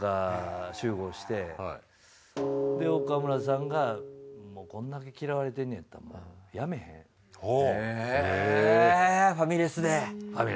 岡村さんがこんだけ嫌われてんのやったらへぇファミレスで。